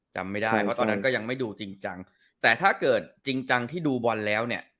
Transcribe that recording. จำไม่ได้เพราะตอนนั้นก็ยังไม่ดูจริงจังแต่ถ้าเกิดจริงจังที่ดูบอลแล้วเนี่ย